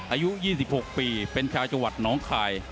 อายุ๒๖ปีเป็นชาวจัวรรดิหนองคาย